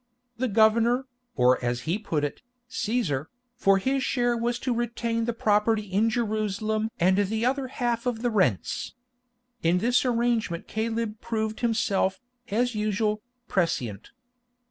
The governor, or as he put it, Cæsar, for his share was to retain the property in Jerusalem and the other half of the rents. In this arrangement Caleb proved himself, as usual, prescient.